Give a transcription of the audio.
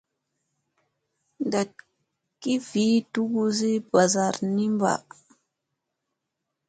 Ndat gi vi nduziyut bazara ni mba.